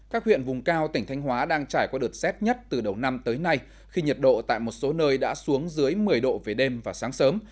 các huyện vùng cao tỉnh thanh hóa đang trải qua đợt xét nhất từ đầu năm tới nay khi nhiệt độ tại một số nơi đã xuống dưới một mươi độ về đêm và sáng sớm